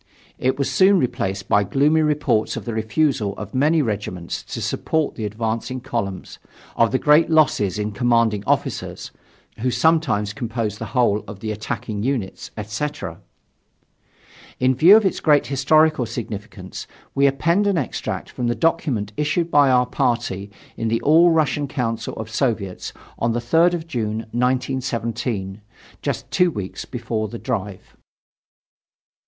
It was soon replaced by gloomy reports of the refusal of many regiments to support the advancing columns, of the great losses in commanding officers, who sometimes composed the whole of the attacking units, etc. In view of its great historical significance, we append an extract from the document issued by our party in the All Russian Council of Soviets on the 3rd of June, 1917, just two weeks before the drive.